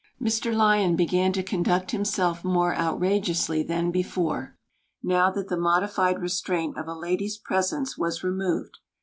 Mr Lyon began to conduct himself more outrageously than before, now that the modified restraint of a lady's presence was removed.